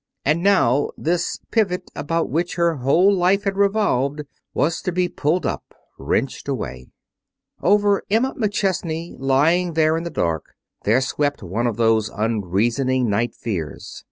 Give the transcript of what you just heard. And now this pivot about which her whole life had revolved was to be pulled up, wrenched away. Over Emma McChesney, lying there in the dark, there swept one of those unreasoning night fears.